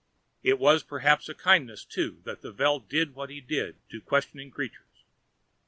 It was perhaps a kindness, too, that the Veld did what he did to questioning creatures.